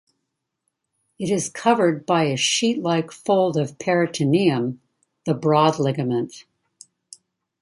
It is covered by a sheet-like fold of peritoneum, the broad ligament.